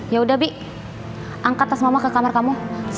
ya udah bik angkat tas mama ke kamar kamu